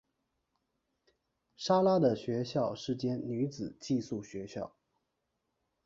莎拉的学校是间女子寄宿学校。